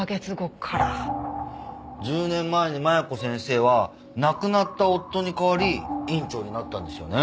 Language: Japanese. １０年前に麻弥子先生は亡くなった夫に代わり院長になったんですよね。